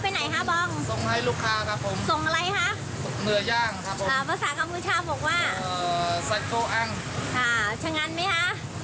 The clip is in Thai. เอาไปไหนค่ะบองส่งให้ลูกค้าค่ะผมส่งอะไรฮะ